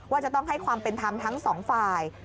ว่าจะต้องให้ความเป็นธรรมทั้งสองฝ่าย